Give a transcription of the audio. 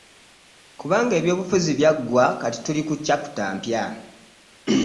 Kubanga eby'obufuzi byaggwa kati tuli ku ccaputa mpya.